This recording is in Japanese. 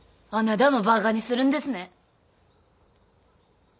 あなだもバカにするんですね。